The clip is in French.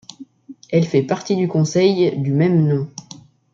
Elle fait partie du conseil du même nom.